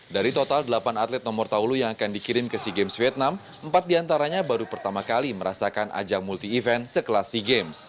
dari total delapan atlet nomor taulu yang akan dikirim ke sea games vietnam empat diantaranya baru pertama kali merasakan ajang multi event sekelas sea games